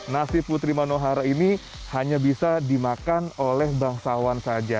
nasi putri manohara ini hanya bisa dimakan oleh bangsawan saja